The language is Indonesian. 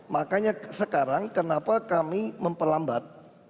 makanya sekarang kenapa kami memperlambat